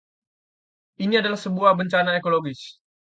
Ini adalah sebuah bencana ekologis.